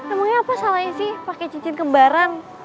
emangnya apa salahnya sih pakai cincin kembaran